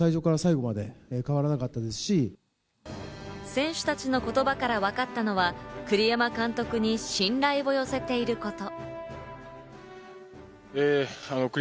選手たちの言葉からわかったのは栗山監督に信頼を寄せていること。